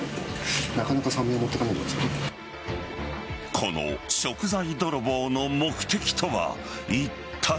この食材泥棒の目的とはいったい。